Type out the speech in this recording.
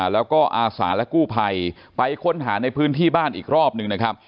แล้วก็อาสาและกู้ภัยไปค้นหาในพื้นที่บ้านอีกรอบหนึ่งนะครับ